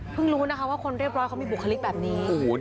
รู้นะคะว่าคนเรียบร้อยเขามีบุคลิกแบบนี้